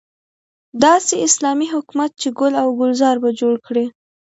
داسې اسلامي حکومت چې ګل او ګلزار به جوړ کړي.